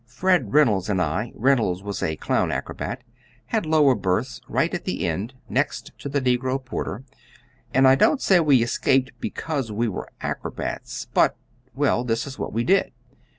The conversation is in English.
Fred Reynolds and I Reynolds was a clown acrobat had lower berths right at the end, next to the negro porter, and I don't say we escaped because we were acrobats, but well, this is what we did.